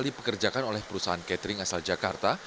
dipekerjakan oleh perusahaan catering asal jakarta